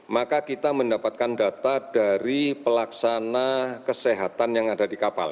maka kita mendapatkan data dari pelaksana kesehatan yang ada di kapal